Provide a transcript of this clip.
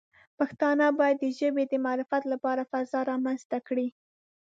پښتانه باید د ژبې د معرفت لپاره فضا رامنځته کړي.